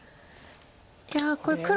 いやこれ黒